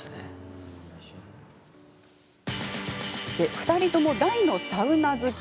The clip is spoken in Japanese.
２人とも大のサウナ好き。